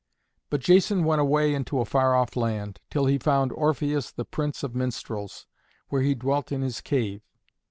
But Jason went away into a far off land, till he found Orpheus the prince of minstrels, where he dwelt in his cave.